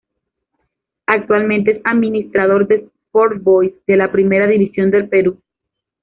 Actualmente es administrador de Sport Boys de la Primera División del Perú.